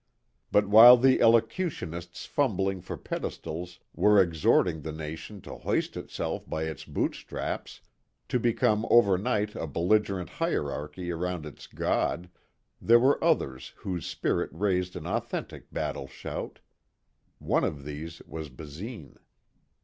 But while the elocutionists fumbling for pedestals were exhorting the nation to hoist itself by its boot straps, to become overnight a belligerent hierarchy around its God, there were others whose spirit raised an authentic battle shout. One of these was Basine.